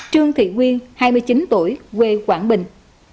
trương thị nguyên hai mươi chín tuổi quê quảng bình